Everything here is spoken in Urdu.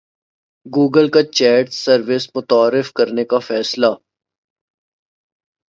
گوگل کا چیٹ سروس متعارف کرانے کا فیصلہ